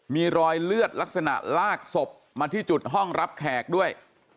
มีรอยเลือดลักษณะลากศพมาที่จุดห้องรับแขกด้วย